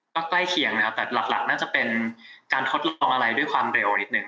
ก็ใกล้เคียงนะครับแต่หลักน่าจะเป็นการทดลองอะไรด้วยความเร็วนิดหนึ่ง